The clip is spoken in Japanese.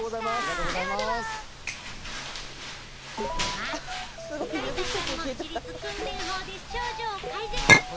あっトリ田さんも自律訓練法で症状改善！